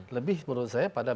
lebih menurut saya pak prabowo